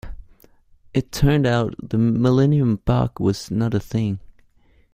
It turned out the millennium bug was not a thing.